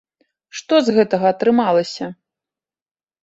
Што з гэтага атрымалася?